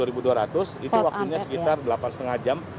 itu waktunya sekitar delapan lima jam